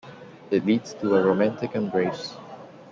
It leads to a romantic embrace.